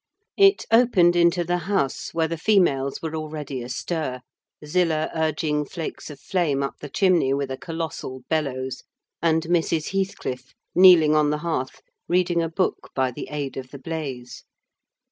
It opened into the house, where the females were already astir; Zillah urging flakes of flame up the chimney with a colossal bellows; and Mrs. Heathcliff, kneeling on the hearth, reading a book by the aid of the blaze.